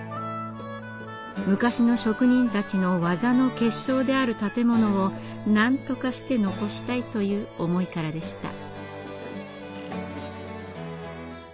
昔の職人たちの技の結晶である建物をなんとかして残したいという思いからでした。